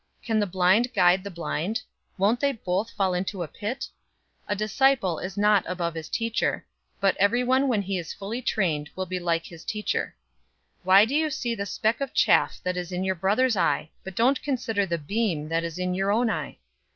"Can the blind guide the blind? Won't they both fall into a pit? 006:040 A disciple is not above his teacher, but everyone when he is fully trained will be like his teacher. 006:041 Why do you see the speck of chaff that is in your brother's eye, but don't consider the beam that is in your own eye?